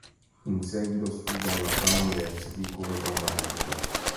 In seguito studia alla Brown University come drammaturgo.